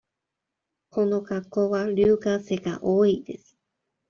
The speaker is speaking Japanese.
この学校は留学生が多いです。